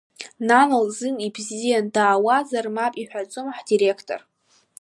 Нана лзын ибзиан, даауазар, мап иҳәаӡом ҳдиреқтор.